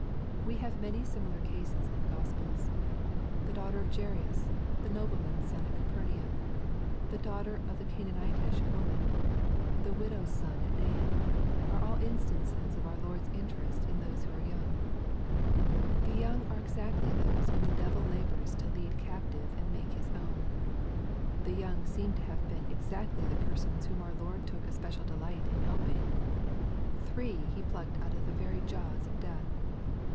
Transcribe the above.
We have many similar cases in the Gospels. The daughter of Jairus, the nobleman's son at Capernaum, the daughter of the Canaanitish woman, the widow's son at Nain, are all instances of our Lord's interest in those who are young. The young are exactly those whom the devil labors to lead captive and make His own. The young seem to have been exactly the persons whom our Lord took a special delight in helping. Three He plucked out of the very jaws of death.